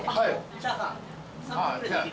チャーハン。